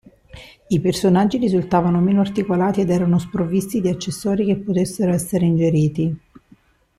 I personaggi risultavano meno articolati ed erano sprovvisti di accessori che potessero essere ingeriti.